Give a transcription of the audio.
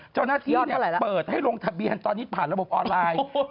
เจ้าหน้าที่เปิดให้ลงทะเบียนตอนนี้ผ่านระบบออนไลน์